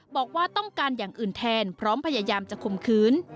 บอกว่าต้องการอย่างอื่นแทนพร้อมพยายามจะข่มขืน